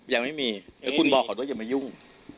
ยังไม่มีคุณบอกขอโทษอย่ามายุ่ง